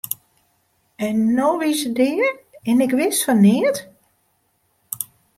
En no wie se dea en ik wist fan neat!